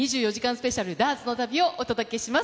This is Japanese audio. スペシャルダーツの旅をお届けします。